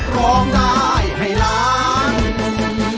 จบว่ามันจะไม่ใช่อย่างที่เราร้อง